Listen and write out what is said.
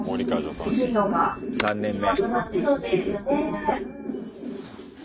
３年目。